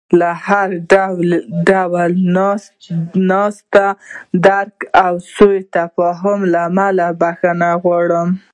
د هر ډول ناسم درک او سوء تفاهم له امله بښنه غواړم.